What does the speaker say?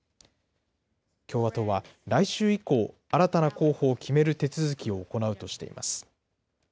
共和党は来週以降、新たな候補を決める手続きを行うとしています。